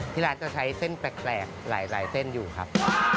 ที่ร้านจะใช้เส้นแปลกหลายเส้นอยู่ครับ